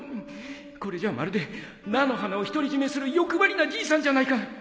これじゃあまるで菜の花を独り占めする欲張りなじいさんじゃないか